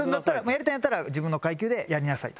やりたいんやったら自分の階級でやりなさいと。